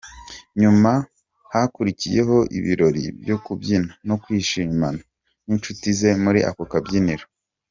Nyuma hakurikiyeho ibirori byo kubyina no kwishimana n’inshuti ze muri ako kabyiniro.